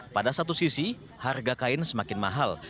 pada satu sisi harga kain semakin mahal